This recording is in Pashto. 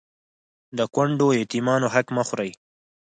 د کونډو او يتيمانو حق مه خورئ